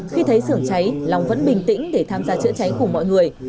khi thấy xưởng cháy long vẫn bình tĩnh để tham gia chữa cháy cùng mọi người